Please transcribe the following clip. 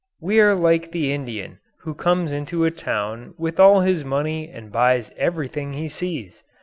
We are like the Indian who comes into town with all his money and buys everything he sees.